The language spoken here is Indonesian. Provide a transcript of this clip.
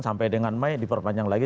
sampai dengan mei diperpanjang lagi